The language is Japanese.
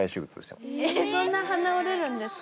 えっそんな鼻折れるんですか？